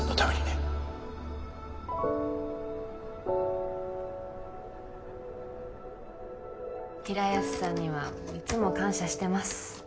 現在平安さんにはいつも感謝してます。